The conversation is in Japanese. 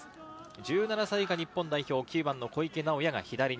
１７歳以下日本代表、９番の小池直矢が左に。